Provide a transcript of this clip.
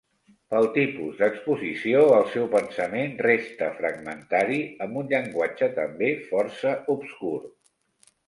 Pel tipus d'exposició, el seu pensament resta fragmentari amb un llenguatge també força obscur.